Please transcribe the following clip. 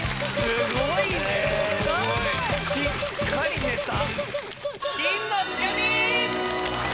すごい。しっかりネタ。